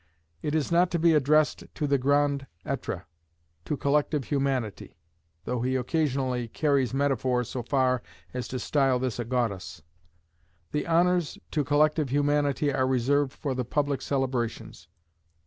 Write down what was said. It is not to be addressed to the Grand Etre, to collective Humanity; though he occasionally carries metaphor so far as to style this a goddess. The honours to collective Humanity are reserved for the public celebrations.